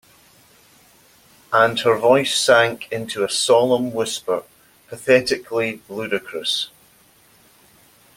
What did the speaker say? And her voice sank into a solemn whisper, pathetically ludicrous.